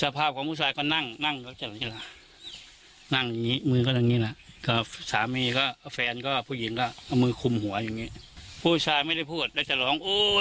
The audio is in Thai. เป็นเพื่อนบ้าน